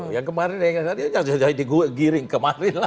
yang kemarin yang tadi jadi gue giring kemarin lagi